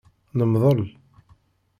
Nemdel.